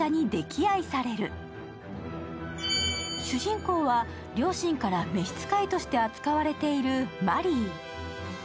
主人公は、両親から召使として扱われているマリー。